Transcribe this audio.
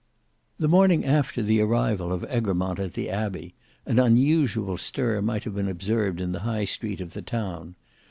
The morning after the arrival of Egremont at the Abbey, an unusual stir might have been observed in the high Street of the town.